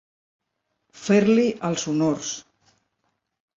Fer-li els honors.